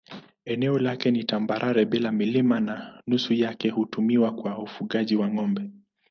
Eneo lake ni tambarare bila milima na nusu yake hutumiwa kwa ufugaji wa ng'ombe.